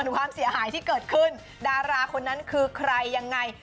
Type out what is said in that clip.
ความเสียหายที่เกิดขึ้นดาราคนนั้นคือใครยังไง